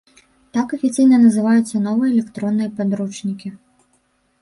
Так афіцыйна называюцца новыя электронныя падручнікі.